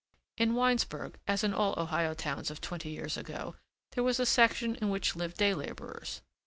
In Winesburg, as in all Ohio towns of twenty years ago, there was a section in which lived day laborers.